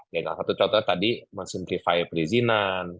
dengan satu contoh tadi mensimplify perizinan